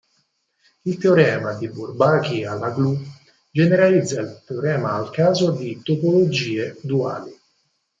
Il teorema di Bourbaki-Alaoglu generalizza il teorema al caso di topologie duali.